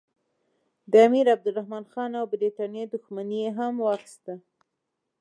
د امیرعبدالرحمن خان او برټانیې دښمني یې هم واخیسته.